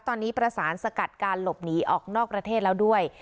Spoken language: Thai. ตอนนี้ประสานสกัดการหลบหนีออกนอกประเทศแล้วด้วย